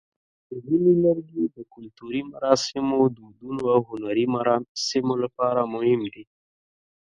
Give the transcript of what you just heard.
ځینې لرګي د کلتوري مراسمو، دودونو، او هنري مراسمو لپاره مهم دي.